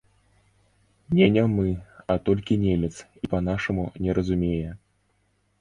Не нямы, а толькі немец і па-нашаму не разумее.